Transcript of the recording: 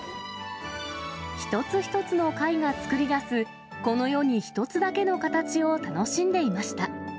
一つ一つの貝が作り出す、この世に一つだけの形を楽しんでいました。